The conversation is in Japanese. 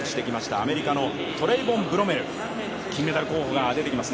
アメリカのトレイボン・ブロメル、金メダル候補が出てきます。